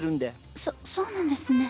そそうなんですね。